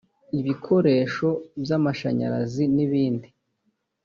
ibikoresho by’amashanyarazi n’ibindi